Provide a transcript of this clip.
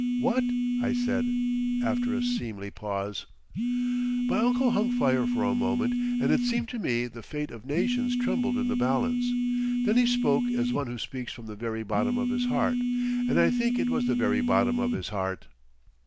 "What?" I said after a seemly pause. My uncle hung fire for a moment and it seemed to me the fate of nations trembled in the balance. Then he spoke as one who speaks from the very bottom of his heart—and I think it was the very bottom of his heart.